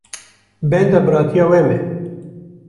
Benda biratiya we me.